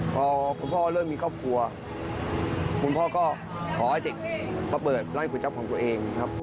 พอคุณพ่อเริ่มมีครอบครัวคุณพ่อก็ขอให้เด็กมาเปิดร้านก๋วยจับของตัวเองครับ